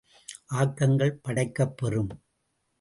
ஆக்கங்கள் படைக்கப் பெறும்.